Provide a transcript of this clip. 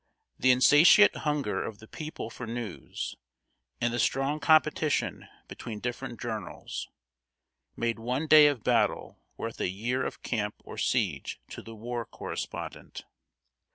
The insatiate hunger of the people for news, and the strong competition between different journals, made one day of battle worth a year of camp or siege to the war correspondent.